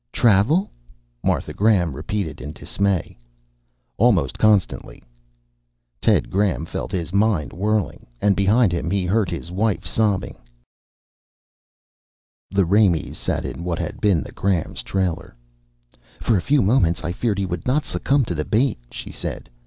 "Travel?" Martha Graham repeated in dismay. "Almost constantly." Ted Graham felt his mind whirling. And behind him, he heard his wife sobbing. The Raimees sat in what had been the Grahams' trailer. "For a few moments, I feared he would not succumb to the bait," she said.